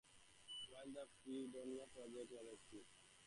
While the Freedonia project was active, it minted its own currency.